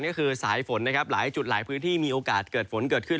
ก็คือสายฝนนะครับหลายจุดหลายพื้นที่มีโอกาสเกิดฝนเกิดขึ้น